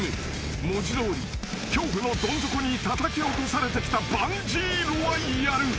［文字通り恐怖のどん底にたたき落とされてきたバンジー・ロワイアル］